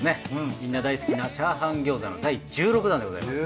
みんな大好きなチャーハン餃子の第１６弾でございます。